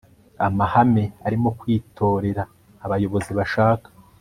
amahame arimo kwitorera abayobozi bashaka